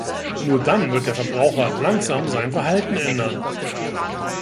Nur dann wird der Verbraucher langsam sein Verhalten ändern.